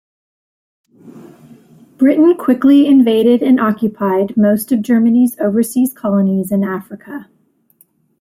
Britain quickly invaded and occupied most of Germany's overseas colonies in Africa.